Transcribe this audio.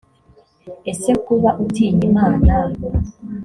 ese kuba utinya imana